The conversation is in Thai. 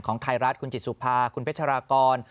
ไทยรัฐคุณจิตสุภาคุณเพชรากร